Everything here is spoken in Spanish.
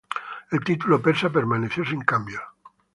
El título persa permaneció sin cambios.